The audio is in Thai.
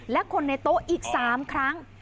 และคนในโต๊ะอีก๓ครั้ง